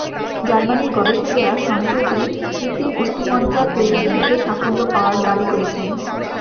জার্মানির গবেষকেরা সম্প্রতি কৃত্রিম অস্থি মজ্জা তৈরির ক্ষেত্রে সাফল্য পাওয়ার দাবি করেছেন।